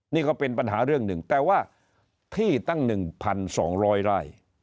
นี่ก็เป็นปัญหาเรื่องหนึ่งแต่ว่าที่ตั้ง๑๒๐๐ไร่